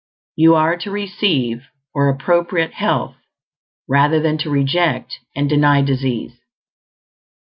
You are to receive or appropriate health rather than to reject and deny disease.